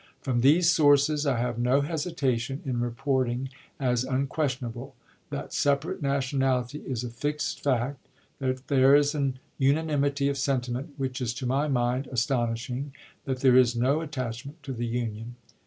.. From these sources I have no hesitation in reporting as unquestion able— that separate nationality is a fixed fact, that there is an unanimity of sentiment which is to my mind as tonishing, that there is no attachment to the Union.